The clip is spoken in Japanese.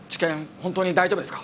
本当に大丈夫ですか？